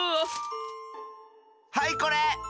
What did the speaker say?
はいこれ！